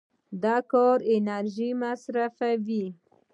د کار انرژي مصرفوي.